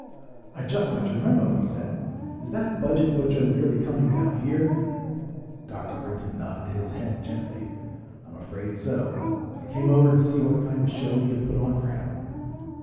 "I just got your memo," he said. "Is that budget butcher really coming down here?" Dr. Brinton nodded his head gently. "I'm afraid so. I came over to see what kind of show we can put on for him."